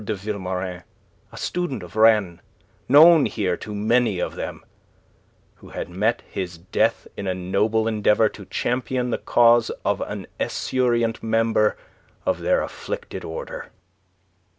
de Vilmorin, a student of Rennes, known here to many of them, who had met his death in a noble endeavour to champion the cause of an esurient member of their afflicted order.